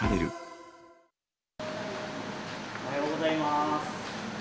おはようございます。